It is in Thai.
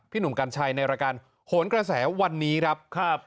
หนุ่มกัญชัยในรายการโหนกระแสวันนี้ครับ